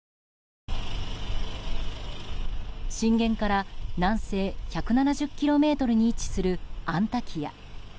震源から南西１７０ｋｍに位置するアンタキヤ。